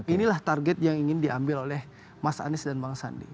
inilah target yang ingin diambil oleh mas anies dan bang sandi